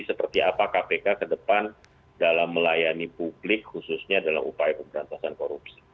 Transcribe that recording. seperti apa kpk ke depan dalam melayani publik khususnya dalam upaya pemberantasan korupsi